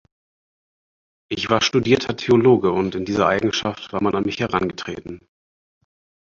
Ich war studierter Theologe und in dieser Eigenschaft war man an mich herangetreten.